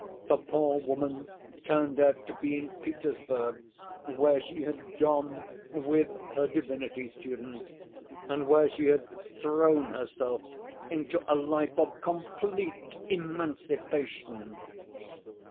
The poor woman turned out to be in Petersburg, where she had gone with her divinity student, and where she had thrown herself into a life of complete emancipation.